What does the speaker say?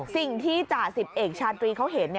สิ่งที่จ่าสิบเอกชาตรีเขาเห็น